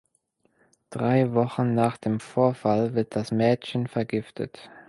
Drei Wochen nach dem Vorfall wird das Mädchen vergiftet.